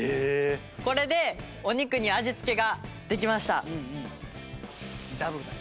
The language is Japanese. これでお肉に味つけができました。